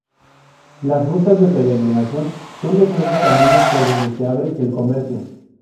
Las rutas de peregrinación son los nuevos caminos por donde se abre el comercio.